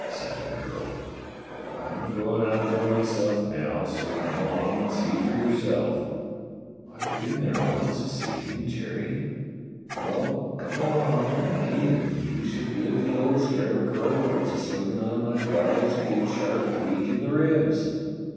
said the girl. I'm a goin' out there myself now; so come along and see for yourself." "I've been there once this evening, Jerry." "Well, come along o' me and you shall give the old scarecrow wot's a swing on my gallows a good sharp tweak in the ribs."